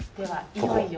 いよいよ。